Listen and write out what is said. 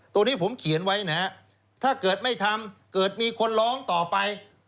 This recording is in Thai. ตรงนี้ผมเขียนไว้นะฮะถ้าเกิดไม่ทำเกิดมีคนร้องต่อไป